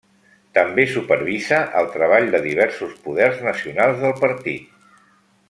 També supervisa el treball de diversos poders nacionals del partit.